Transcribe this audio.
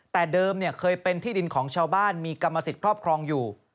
แต่เดิมเคยเป็นที่ดินของชาวบ้านมีกรรมสิทธิ์ครอบครองอยู่